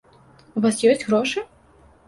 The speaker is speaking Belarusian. У вас ёсць грошы??